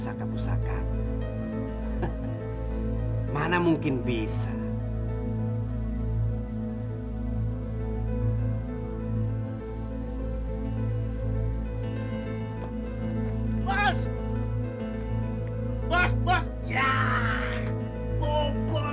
ampun ampun ampun ampun